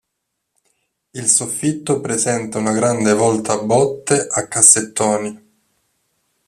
Il soffitto presenta una grande volta a botte a cassettoni.